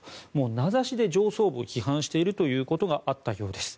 名指しで上層部を批判しているということがあったようです。